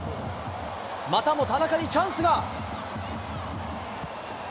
またも田中にチャンスが。